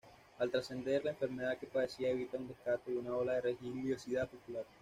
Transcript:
Al trascender la enfermedad que padecía Evita se desató una ola de religiosidad popular.